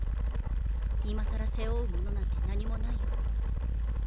今更背負うものなんて何も無いよ。